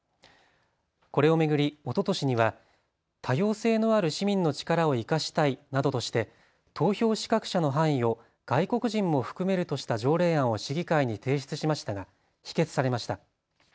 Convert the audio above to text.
これを巡りおととしには多様性のある市民の力を生かしたいなどとして投票資格者の範囲を外国人も含めるとした条例案を市議会に提出しましたが否決されました。